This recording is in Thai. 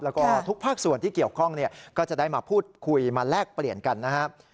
แล้วก็ทุกภาคส่วนที่เกี่ยวข้องก็จะได้มาพูดคุยมาแลกเปลี่ยนกันนะครับ